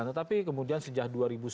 tetapi kemudian sejak dua ribu sepuluh